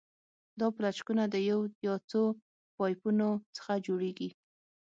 دا پلچکونه د یو یا څو پایپونو څخه جوړیږي